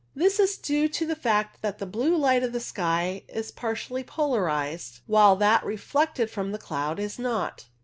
This is due to the fact that the blue light of the sky is partly polarized, while that reflected from the cloud is not.